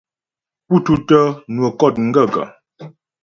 Pú pútə́ nwə kɔ̂t m gaə̂kə́ ?